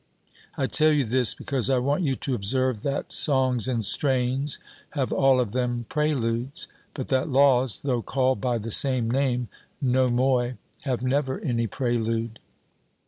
I tell you this, because I want you to observe that songs and strains have all of them preludes, but that laws, though called by the same name (nomoi), have never any prelude.